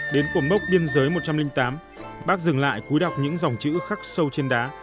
đến cột mốc biên giới một trăm linh tám bác dừng lại cúi đọc những dòng chữ khắc sâu trên đá